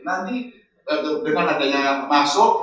nah ini dengan adanya masuk